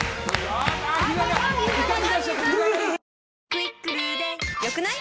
「『クイックル』で良くない？」